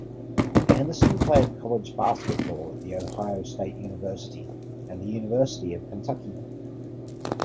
Anderson played college basketball at the Ohio State University and the University of Kentucky.